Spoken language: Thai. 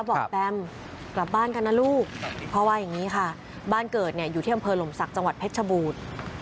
แบมกลับบ้านกันนะลูกเพราะว่าอย่างนี้ค่ะบ้านเกิดเนี่ยอยู่ที่อำเภอหลมศักดิ์จังหวัดเพชรชบูรณ์